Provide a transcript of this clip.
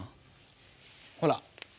ほら。